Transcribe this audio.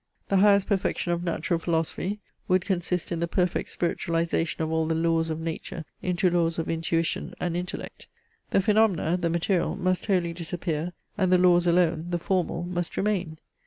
The highest perfection of natural philosophy would consist in the perfect spiritualization of all the laws of nature into laws of intuition and intellect. The phaenomena (the material) most wholly disappear, and the laws alone (the formal) must remain.